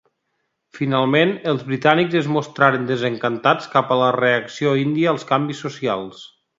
Finalment, els britànics es mostraren desencantats cap a la reacció índia als canvis socials.